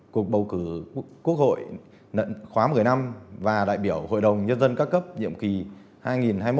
cuộc bầu cử quốc hội khóa một mươi năm và đại biểu hội đồng nhân dân các cấp nhiệm kỳ hai nghìn hai mươi một hai nghìn hai mươi sáu